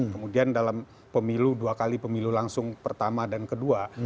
kemudian dalam pemilu dua kali pemilu langsung pertama dan kedua